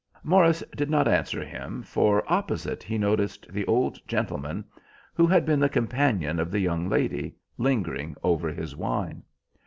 Morris did not answer him, for opposite he noticed the old gentleman, who had been the companion of the young lady, lingering over his wine.